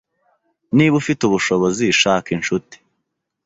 Niba ufite ubushobozi shaka inshuti,